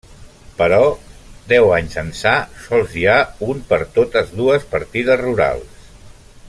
Però deu anys ençà sols hi ha un per totes dues partides rurals.